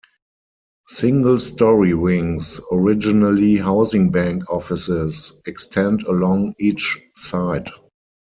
Single-story wings, originally housing bank offices, extend along each side.